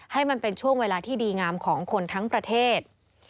ให้มันเป็นช่วงเวลาที่ดีงามของคนทั้งประเทศ